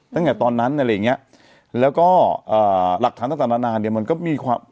ตั้งแต่ตอนนั้นอะไรอย่างเงี้ยแล้วก็อ่าหลักฐานต่างต่างนานาเนี่ยมันก็มีความ